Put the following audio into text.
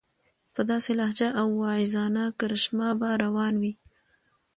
په داسې لهجه او واعظانه کرشمه به روان وي.